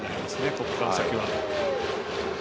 ここから先は。